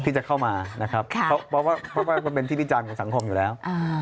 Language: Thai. ที่จะเข้ามานะครับเพราะว่ามันเป็นที่วิจารณ์ของสังคมอยู่แล้ว